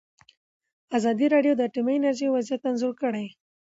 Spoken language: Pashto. ازادي راډیو د اټومي انرژي وضعیت انځور کړی.